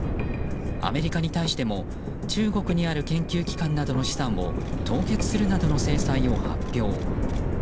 アメリカに対しても中国にある研究機関などの資産を凍結するなどの制裁を発表。